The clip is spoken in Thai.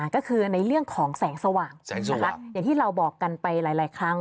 ก็คือในเรื่องของแสงสว่างลักษณ์อย่างที่เราบอกกันไปหลายครั้ง